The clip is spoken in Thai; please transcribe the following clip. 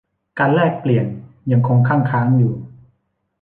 การแลกเปลี่ยนยังคงคั่งค้างอยู่